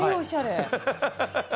ハハハ！